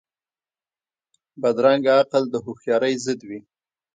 بدرنګه عقل د هوښیارۍ ضد وي